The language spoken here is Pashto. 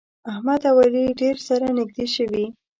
احمد او علي ډېر سره نږدې شوي.